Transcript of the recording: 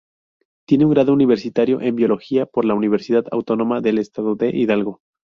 Tiene un grado universitario en biología por la Universidad Autónoma del Estado de Hidalgo.